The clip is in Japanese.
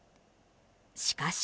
しかし。